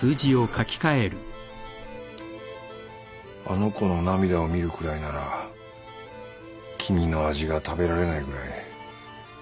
あの子の涙を見るくらいなら君の味が食べられないぐらい。